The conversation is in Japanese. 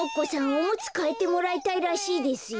おむつかえてもらいたいらしいですよ。